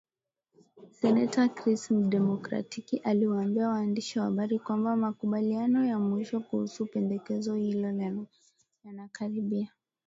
Seneta Chris, Mdemokratiki aliwaambia waandishi wa habari kwamba makubaliano ya mwisho kuhusu pendekezo hilo yanakaribia